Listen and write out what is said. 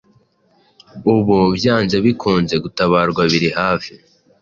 ubu, byanze bikunze, gutabarwa biri hafi,